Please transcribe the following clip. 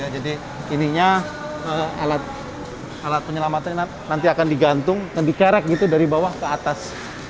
jadi ininya alat penyelamatannya nanti akan digantung digerek dari bawah ke atas